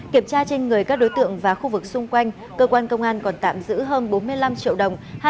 kiểm tra trên người các đối tượng và khu vực xung quanh cơ quan công an còn tạm giữ hơn bốn mươi năm triệu đồng